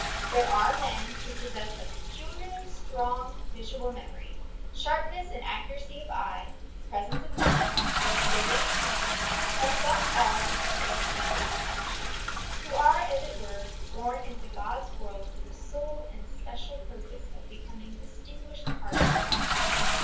There are men who possess a peculiarly strong visual memory, sharpness and accuracy of eye, presence of mind, dexterity of hand, and above all a subtle sense of touch, who are as it were born into God's world for the sole and special purpose of becoming distinguished card sharpers.